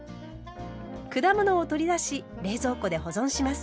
果物を取り出し冷蔵庫で保存します。